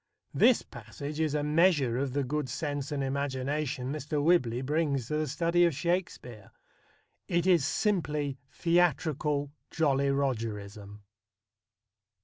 This passage is a measure of the good sense and imagination Mr. Whibley brings to the study of Shakespeare. It is simply theatrical Jolly Rogerism.